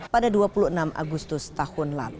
pada dua puluh enam agustus tahun lalu